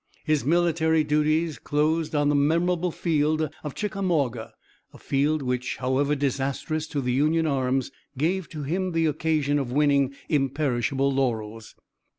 His military duties closed on the memorable field of Chickamauga, a field which, however disastrous to the Union arms, gave to him the occasion of winning imperishable laurels.